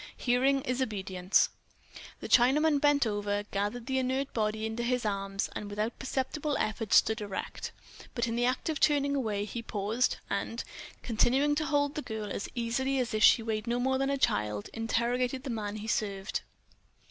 "Hearing is obedience." The Chinaman bent over, gathered the inert body into his arms, and without perceptible effort stood erect. But in the act of turning away he paused and, continuing to hold the girl as easily as if she weighed no more than a child, interrogated the man he served.